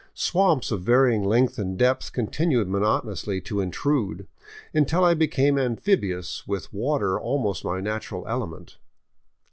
Swamps of varying length and depth continued monotonously to intrude, until I became amphibious, with water almost my natural element.